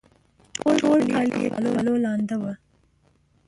ټول کالي یې په خولو لانده وه